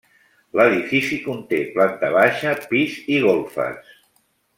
L'edifici conté planta baixa, pis i golfes.